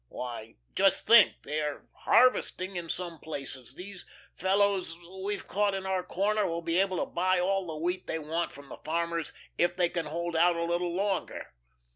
Why, just think, they are harvesting in some places. These fellows we've caught in the corner will be able to buy all the wheat they want from the farmers if they can hold out a little longer.